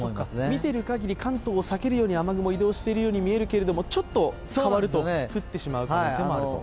見ているかぎり、関東を避けるように雨雲は移動しているように見えるけれども、ちょっと変わると降ってしまう可能性もあると。